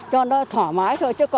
cho nó thoải mái thôi